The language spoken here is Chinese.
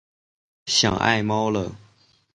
想爱猫了